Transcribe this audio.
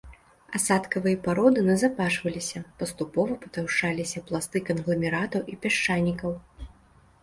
Асадкавыя пароды назапашваліся, паступова патаўшчаліся пласты кангламератаў і пясчанікаў.